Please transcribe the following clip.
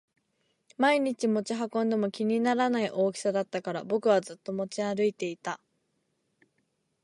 毎日持ち運んでも気にならない大きさだったから僕はずっと持ち歩いていた